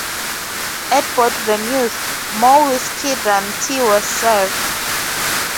At both venues, more whiskey than tea was served.